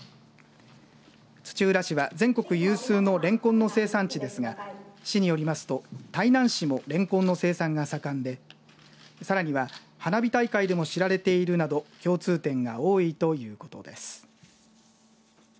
土浦市は全国有数のれんこんの生産地ですが市によりますと台南市もれんこんの生産が盛んでさらには花火大会でも知られているなど共通点が多いということです。